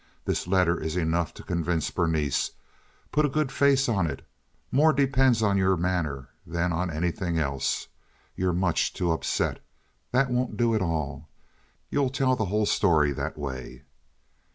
This letter is enough to convince Berenice. Put a good face on it; more depends on your manner than on anything else. You're much too upset. That won't do at all; you'll tell the whole story that way."